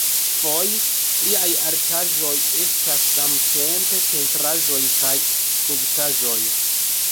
Foje liaj artaĵoj estas samtempe pentraĵoj kaj skulptaĵoj.